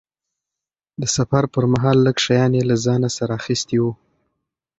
د سفر پرمهال لږ شیان یې له ځانه سره اخیستي وو.